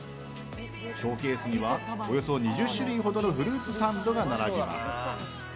ショーケースにはおよそ２０種類ほどのフルーツサンドが並びます。